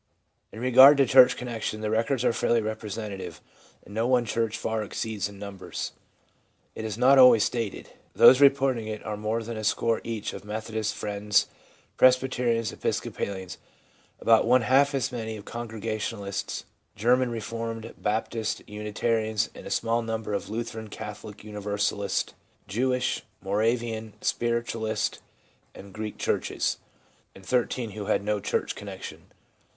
In regard to church connection, the records are fairly representative, and no one church far exceeds in numbers. It is not always stated. Those reporting it are more than a score each of Methodists, Friends, Presbyterians, Episcopalians; about one half as many of Congrega tionalists, German Reformed, Baptists and Unitarians ; a smaller number of the Lutheran, Catholic, Universalist, Jewish, Moravian, Spiritualist and Greek churches ; and thirteen who had no church connection.